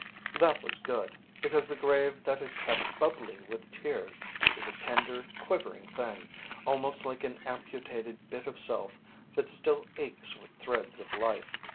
That was good, because the grave that is kept bubbly with tears is a tender, quivering thing, almost like an amputated bit of self that still aches with threads of life.